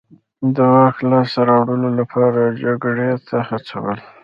د واک لاسته راوړلو لپاره جګړې ته هڅول.